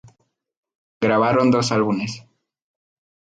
Grabaron dos álbumes.